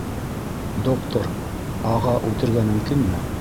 Доктор А.-ға үтергә мөмкинме?